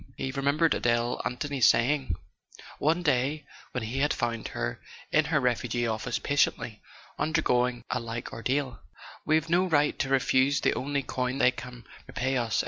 He remembered Adele An¬ thony's saying, one day when he had found her in her refugee office patiently undergoing a like ordeal: "We've no right to refuse the only coin they can repay us in."